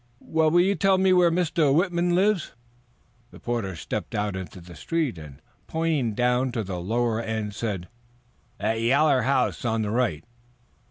"Will you tell me where Mr. Whitman lives?" The porter stepped out into the street, and, pointing down to the lower end, said: "That yaller house on the right."